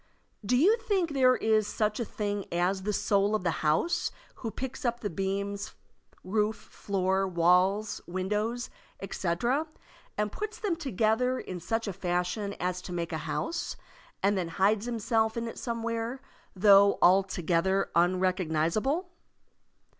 Do you think there is such a thing as the soul of the house who picks up the beams, roof, floor, walls, windows, etc., and puts them together in such a fashion as to make a house, and then hides himself in it somewhere, though altogether unrecognizable?